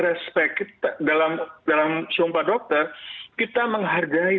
respect dalam sumpah dokter kita menghargai